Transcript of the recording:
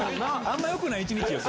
あんまよくない１日よ。